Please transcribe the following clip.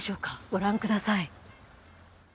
ご覧ください。